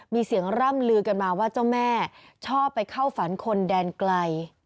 มีเสียงร่ำลือกันมาว่าเจ้าแม่ชอบไปเข้าฝันคนแดนไกล